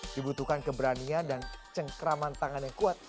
dibutuhkan keberanian dan cengkraman tangan yang kuat